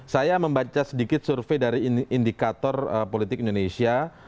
saya membaca sedikit survei dari indikator politik indonesia